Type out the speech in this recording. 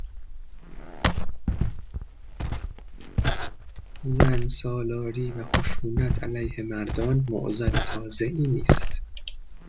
زن سالاری و خشونت علیه مردان معضل تازه ای نیست